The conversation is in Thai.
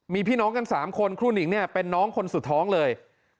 มีพี่น้องกัน๓คนครูหนิงเนี่ยเป็นน้องคนสุดท้องเลย